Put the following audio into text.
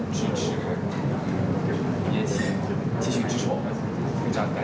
มีความสัยมีความสัย